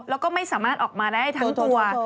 แล้วก็ไม่สามารถออกมาได้ทั้งตัว